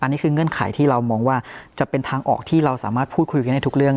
อันนี้คือเงื่อนไขที่เรามองว่าจะเป็นทางออกที่เราสามารถพูดคุยกันได้ทุกเรื่อง